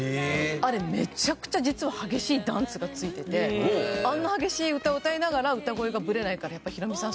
あれめちゃくちゃ実は激しいダンスがついててあんな激しい歌を歌いながら歌声がブレないからやっぱ宏美さん